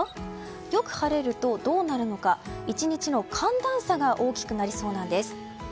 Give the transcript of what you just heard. よく晴れるとどうなるのか１日の寒暖差が大きくなりそうなんです。